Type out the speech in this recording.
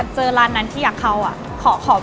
เจอร้านนั้นที่อยากเข้า